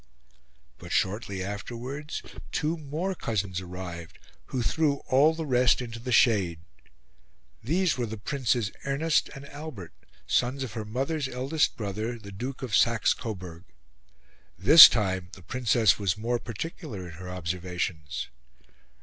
But shortly afterwards two more cousins arrived, who threw all the rest into the shade. These were the Princes Ernest and Albert, sons of her mother's eldest brother, the Duke of Saxe Coburg. This time the Princess was more particular in her observations.